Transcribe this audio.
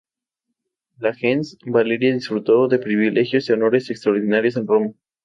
La "gens" Valeria disfrutó de privilegios y honores extraordinarios en Roma.